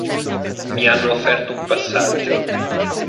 Mi hanno offerto un passaggio.